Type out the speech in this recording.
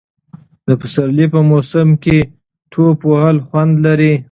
د پسرلي په موسم کې ټوپ وهل خوند لري.